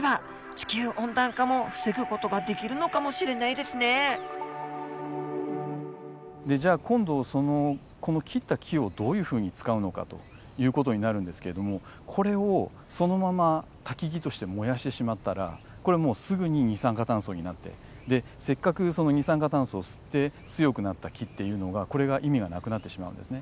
でじゃあ今度この切った木をどういうふうに使うのかという事になるんですけれどもこれをそのまま薪として燃やしてしまったらこれもうすぐに二酸化炭素になってでせっかく二酸化炭素を吸って強くなった木っていうのがこれが意味なくなってしまうんですね。